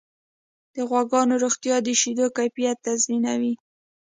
د غواګانو روغتیا د شیدو کیفیت تضمینوي.